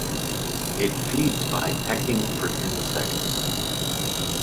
It feeds by pecking for insects.